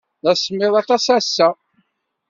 D asemmiḍ aṭas ass-a.